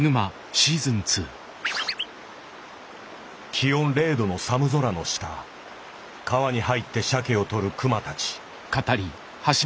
気温０度の寒空の下川に入って鮭を捕る熊たち。